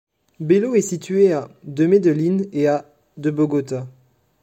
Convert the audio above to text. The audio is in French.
Bello est située à de Medellín et à de Bogota.